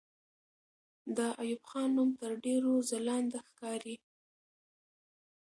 د ایوب خان نوم تر ډېرو ځلانده ښکاري.